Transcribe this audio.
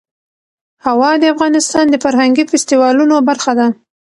هوا د افغانستان د فرهنګي فستیوالونو برخه ده.